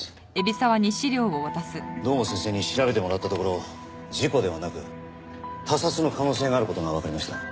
堂本先生に調べてもらったところ事故ではなく他殺の可能性がある事がわかりました。